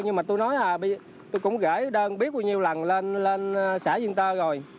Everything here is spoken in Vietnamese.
nhưng mà tôi nói là tôi cũng gửi đơn biết bao nhiêu lần lên xã duyên tơ rồi